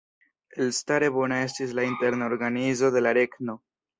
Elstare bona estis la interna organizo de la regno.